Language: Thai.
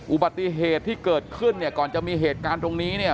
อุบัติเหตุที่เกิดขึ้นเนี่ยก่อนจะมีเหตุการณ์ตรงนี้เนี่ย